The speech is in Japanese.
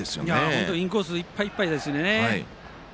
本当にインコースいっぱいいっぱいですよね。